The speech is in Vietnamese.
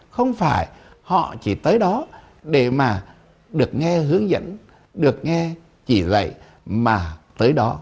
không phải họ chỉ tới đó để mà được nghe hướng dẫn được nghe chỉ dạy mà tới đó